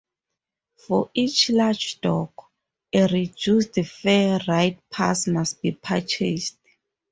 For each "large dog", a reduced fare ride-pass must be purchased.